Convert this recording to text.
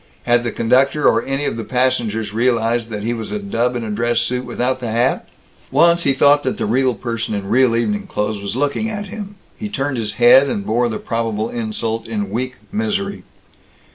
Had the conductor or any of the passengers realized that he was a dub in a dress suit without the hat? Once he thought that the real person in real evening clothes was looking at him. He turned his head and bore the probable insult in weak misery.